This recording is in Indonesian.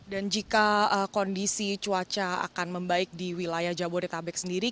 dan jika kondisi cuaca akan membaik di wilayah jabodetabek sendiri